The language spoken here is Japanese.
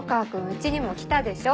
家にも来たでしょ。